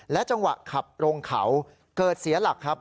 จังหวะขับลงเขาเกิดเสียหลักครับ